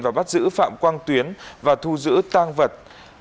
và bắt giữ phạm quang tuyến và thu giữ tang vật